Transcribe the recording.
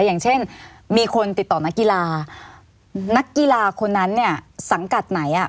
อย่างเช่นมีคนติดต่อนักกีฬานักกีฬาคนนั้นเนี่ยสังกัดไหนอ่ะ